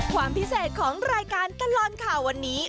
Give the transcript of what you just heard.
ความพิเศษของรายการตลอดข่าววันนี้